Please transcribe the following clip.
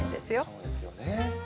そうですよね。